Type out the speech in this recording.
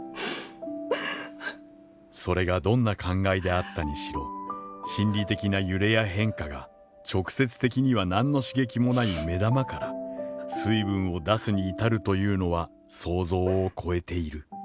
「それがどんな感慨であったにしろ、心理的な揺れや変化が直接的にはなんの刺激もない目玉から水分を出すに至るというのは想像を超えている」。